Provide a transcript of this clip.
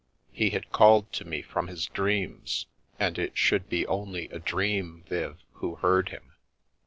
He had called to me from his dreams, and it should be only a dream Viv who heard him.